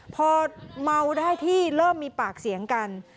พอเมาได้ที่เริ่มมีปากเสียงกัน